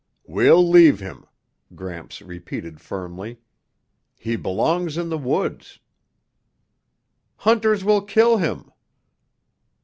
"We'll leave him," Gramps repeated firmly. "He belongs in the woods." "Hunters will kill him!"